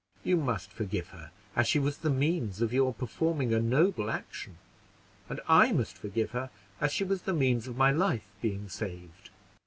You must forgive her, as she was the means of your performing a noble action; and I must forgive her, as she was the means of my life being saved."